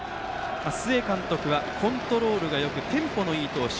須江監督は、コントロールがよくテンポのいい投手。